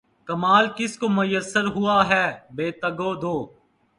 کمال کس کو میسر ہوا ہے بے تگ و دو